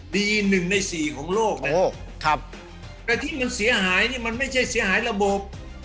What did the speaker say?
ดีหนึ่งในสี่ของโลกแต่ที่มันเสียหายมันไม่ใช่เสียหายระบบ